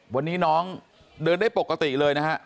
วันนี้น้องเดินได้ปกติเลยนะฮะ